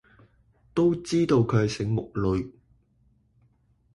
都知道佢係醒目女